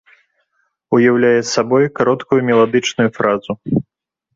Уяўляе сабой кароткую меладычную фразу.